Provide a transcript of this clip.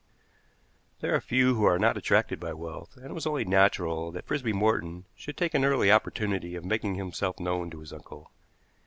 There are few who are not attracted by wealth, and it was only natural that Frisby Morton should take an early opportunity of making himself known to his uncle.